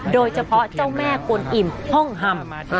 โดยเฉพาะเจ้าแม่กวนอิ่มฮ่องฮ่ำ